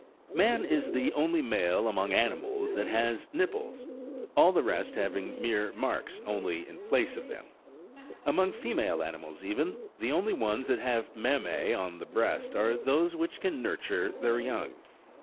Man is the only male among animals that has nipples, all the rest having mere marks only in place of them. Among female animals even, the only ones that have mammseon the breast are those which can nurture their young.